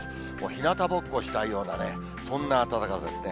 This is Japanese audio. ひなたぼっこしたいようなね、そんな暖かさですね。